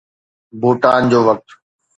ڀوٽان جو وقت